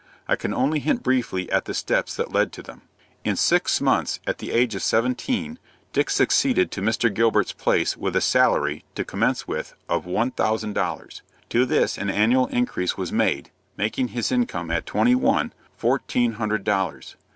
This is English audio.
I can only hint briefly at the steps that led to them. In six months, at the age of seventeen, Dick succeeded to Mr. Gilbert's place with a salary, to commence with, of one thousand dollars. To this an annual increase was made, making his income at twenty one, fourteen hundred dollars.